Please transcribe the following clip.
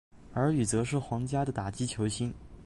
而与则是皇家的打击球星。